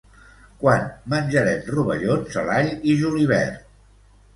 Quan menjarem rovellons a l'all i julivert?